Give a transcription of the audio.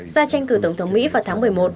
ra tranh cử tổng thống mỹ vào tháng một mươi một